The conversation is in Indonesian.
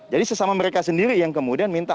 jadi sesama mereka sendiri yang kemudian minta